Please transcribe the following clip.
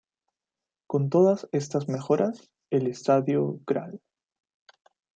Con todas estas mejoras, el estadio Gral.